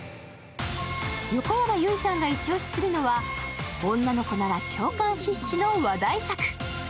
横山由依さんがイチ押しするのは女の子なら共感必至の話題作。